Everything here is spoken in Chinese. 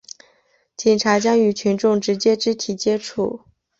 警察将与群众直接肢体接触